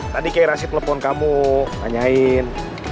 tadi kayak rahasia telepon kamu tanyain